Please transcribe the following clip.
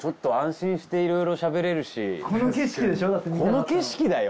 この景色だよ！